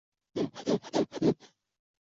红点镜。